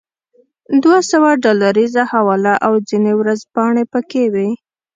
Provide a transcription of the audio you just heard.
یوه دوه سوه ډالریزه حواله او ځینې ورځپاڼې پکې وې.